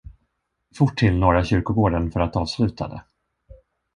Fort till Norra kyrkogården för att avsluta det.